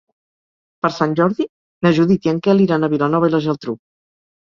Per Sant Jordi na Judit i en Quel iran a Vilanova i la Geltrú.